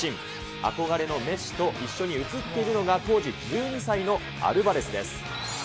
憧れのメッシと一緒に写っているのが、当時１２歳のアルバレスです。